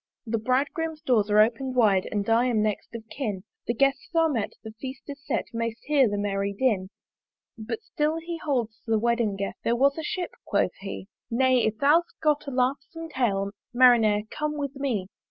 "The Bridegroom's doors are open'd wide "And I am next of kin; "The Guests are met, the Feast is set, "May'st hear the merry din. But still he holds the wedding guest There was a Ship, quoth he "Nay, if thou'st got a laughsome tale, "Marinere! come with me."